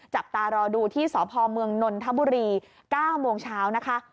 จับตารอดูที่สพมนทะบุรี๙โมงเช้า